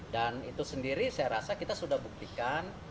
dan itu sendiri saya rasa kita sudah buktikan